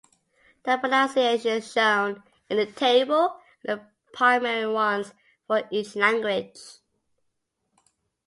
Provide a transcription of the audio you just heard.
The pronunciations shown in the table are the primary ones for each language.